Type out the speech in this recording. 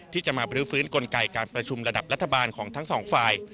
ที่จะมาบรื้อฟื้นกลไกการประชุมระดับรัฐบาลของทั้งสองฝ่าย